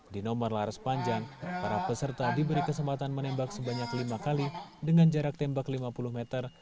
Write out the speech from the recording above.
di nomor laras panjang para peserta diberi kesempatan menembak sebanyak lima kali dengan jarak tembak lima puluh meter